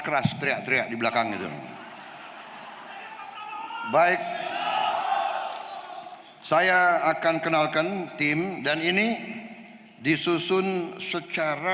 keras teriak teriak di belakang itu baik saya akan kenalkan tim dan ini disusun secara